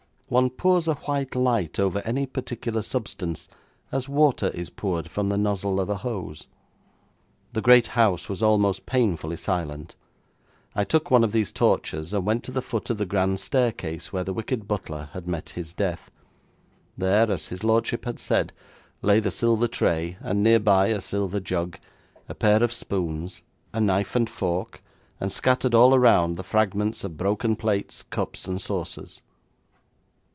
One pours a white light over any particular substance as water is poured from the nozzle of a hose. The great house was almost painfully silent. I took one of these torches, and went to the foot of the grand staircase where the wicked butler had met his death. There, as his lordship had said, lay the silver tray, and nearby a silver jug, a pair of spoons, a knife and fork, and scattered all around the fragments of broken plates, cups, and saucers.